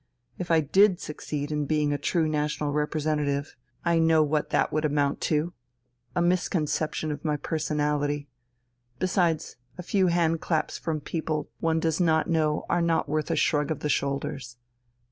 If I did succeed in being a true national representative, I know what that would amount to. A misconception of my personality. Besides, a few hand claps from people one does not know are not worth a shrug of the shoulders.